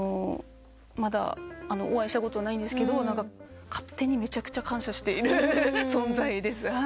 まだお会いしたことはないんですけど勝手にめちゃくちゃ感謝している存在です。